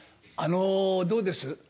あのどうです？